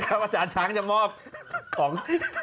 อาจารย์ช้างจะมอบของ